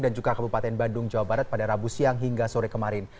dan juga kabupaten bandung jawa barat pada rabu siang hingga sore kemarin